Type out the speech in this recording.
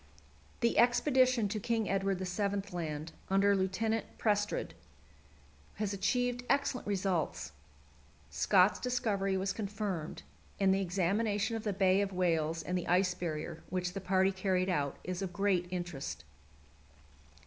The expedition to King Edward VII. Land, under Lieutenant Prestrud, has achieved excellent results. Scott's discovery was confirmed, and the examination of the Bay of Whales and the Ice Barrier, which the party carried out, is of great interest.